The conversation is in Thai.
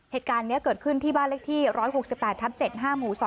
เหตุการณ์นี้เกิดขึ้นที่บ้านเลขที่๑๖๘ทับ๗๕หมู่๒